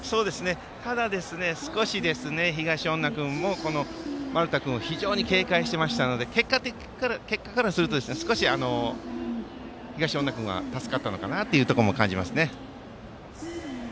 ただ、少し東恩納君も丸田君を非常に警戒していましたので結果からすると少し東恩納君は助かったのかなというところも感じます。